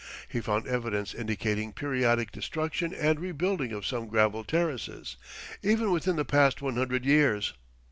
He found evidence indicating periodic destruction and rebuilding of some gravel terraces, "even within the past one hundred years."